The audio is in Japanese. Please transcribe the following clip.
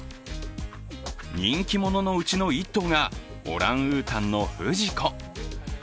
人気者のうちの１頭がオランウータンのフジコ。